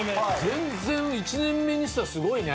全然１年目にしてはすごいね。